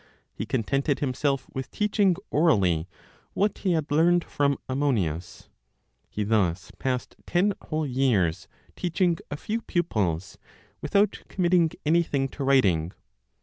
He contented himself with teaching orally what he had learned from Ammonius. He thus passed ten whole years teaching a few pupils, without committing anything to writing.